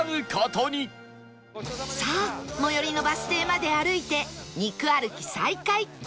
さあ最寄りのバス停まで歩いて肉歩き再開